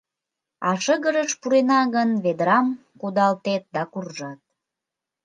А шыгырыш пурена гын, ведрам кудалтет да куржат.